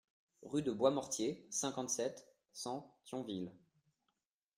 Rue de Boismortier, cinquante-sept, cent Thionville